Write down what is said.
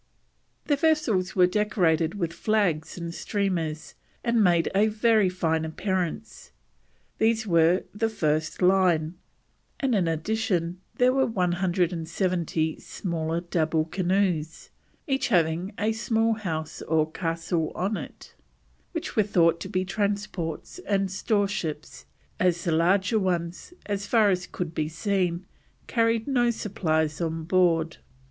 The vessels were decorated with flags and streamers, and made a very fine appearance. These were the first line, and, in addition, there were one hundred and seventy smaller double canoes, each having a small house or castle on it, which were thought to be transports and store ships, as the larger ones, as far as could be seen, carried no supplies on board.